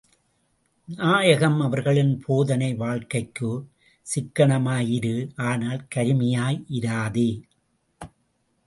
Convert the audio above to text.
நாயகம் அவர்களின் போதனை வாழ்க்கைக்கு சிக்கனமாய் இரு ஆனால் கருமியாய் இராதே.